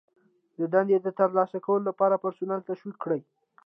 د دندې د ترسره کولو لپاره پرسونل تشویق کړئ.